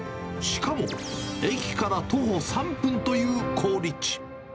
しかも、駅から徒歩３分という好立地。